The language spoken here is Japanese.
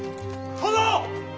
殿！